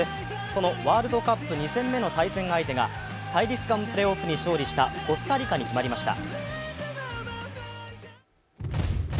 そのワールドカップ２戦目の対戦相手が、大陸間プレーオフに勝利したコスタリカに決まりました。